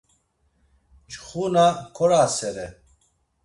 Nçxuna korasere.